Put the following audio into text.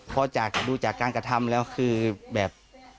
พอดูจากการกระทำแล้วคือแบบ